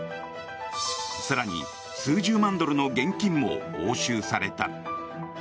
更に、数十万ドルの現金も押収された。